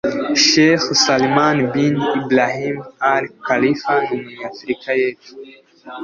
Sheikh Salman bin Ebrahim al-Khalifa n’Umunyafurika y’Epfo